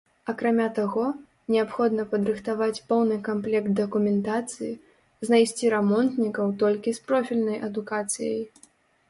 Акрамя таго, неабходна падрыхтаваць поўны камплект дакументацыі, знайсці рамонтнікаў толькі з профільнай адукацыяй.